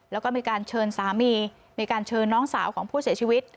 แล้วก็มีการเชิญสามีมีการเชิญน้องสาวของผู้เสียชีวิต